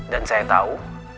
dan saya tahu